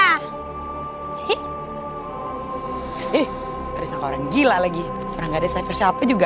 ih terisaka orang gila lagi pernah ga ada siapa siapa juga